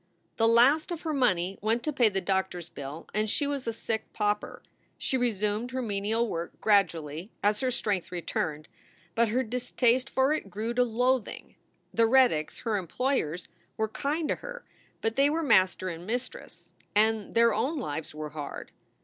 The last of her money went to pay the doctor s bill, and she was a sick pauper. She resumed her menial work grad ually as her strength returned, but her distaste for it grew to loathing. The Reddicks, her employers, were kind to her, but they were master and mistress, and their own lives were hard.